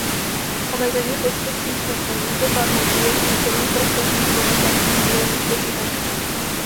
Omezení počtu přístupů do paměti je klíčovým prvkem výkonu dnešních moderních počítačů.